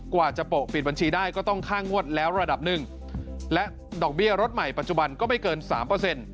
กว่าจะโปะปิดบัญชีได้ก็ต้องค่างวดแล้วระดับหนึ่งและดอกเบี้ยรถใหม่ปัจจุบันก็ไม่เกินสามเปอร์เซ็นต์